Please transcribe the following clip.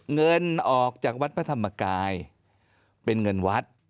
เงินออกจากวัดพระธรรมกายเป็นเงินวัด